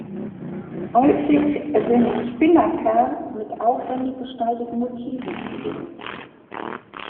Häufig sind Spinnaker mit aufwendig gestalteten Motiven zu sehen.